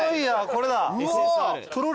これだ。